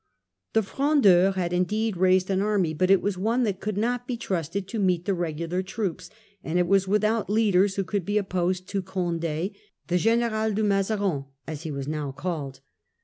The Frondeurs had indeed raised an army, but it was one that could not be trusted to meet the regular troops, and it was without leaders who could be opposed to Condd, the giniral du Mazarin , as he was now called.